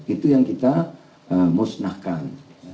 itu yang kita musnahkan